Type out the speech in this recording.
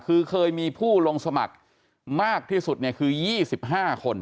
คือเคยมีผู้ลงสมัครมากที่สุดคือ๒๕คน